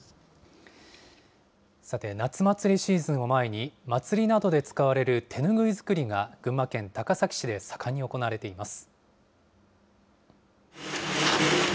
さて、夏祭りシーズンを前に、祭りなどで使われる手拭い作りが、群馬県高崎市で盛んに行われています。